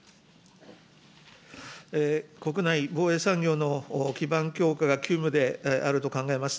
国内防衛産業の基盤強化が急務であると考えます。